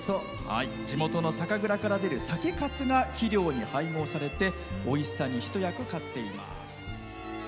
地元の酒蔵から出る酒かすが肥料に配合されておいしさに一役買っています。